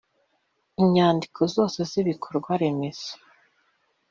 Inyandiko zose z’ ibikorwaremezo